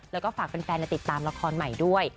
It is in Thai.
แล้วก็ฝากแฟนติดตามละครใหม่ด้วย